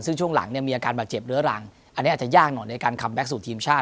ซึ่งช่วงหลังเนี่ยมีอาการบาดเจ็บเรื้อรังอันนี้อาจจะยากหน่อยในการคัมแก๊กสู่ทีมชาติ